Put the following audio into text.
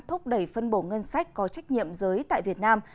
thúc đẩy phân bổ ngân sách có trách nhiệm giới tại việt nam